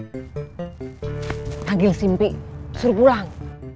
panggil simpi suruh pulang